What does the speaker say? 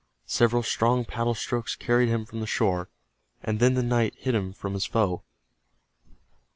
Several strong paddle strokes carried him from the shore, and then the night hid him from his foe.